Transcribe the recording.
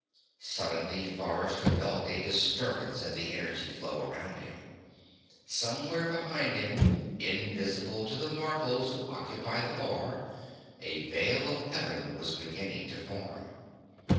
Suddenly Forrester felt a disturbance in the energy flow around him. Somewhere behind him, invisible to the mortals who occupied the bar, a Veil of Heaven was beginning to form.